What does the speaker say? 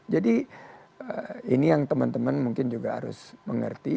jadi ini yang teman teman mungkin juga harus mengerti